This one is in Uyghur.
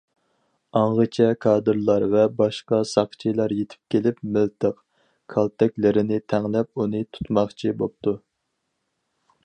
ئاڭغىچە كادىرلار ۋە باشقا ساقچىلار يېتىپ كېلىپ مىلتىق، كالتەكلىرىنى تەڭلەپ ئۇنى تۇتماقچى بوپتۇ.